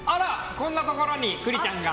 こんなところに栗ちゃんが。